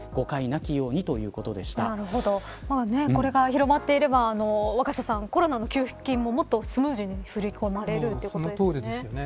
なきようにこれが広まっていれば若狭さん、コロナの給付金ももっとスムーズに振り込まれるということですよね。